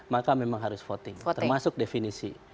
maka memang harus voting termasuk definisi